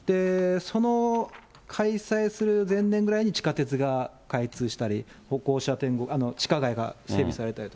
その開催する前年ぐらいに地下鉄が開通したり、歩行者天国、地下街が整備されたりと。